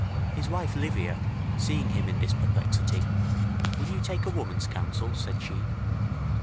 His wife Livia, seeing him in this perplexity: "Will you take a woman's counsel?" said she.